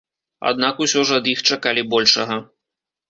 Аднак усё ж ад іх чакалі большага.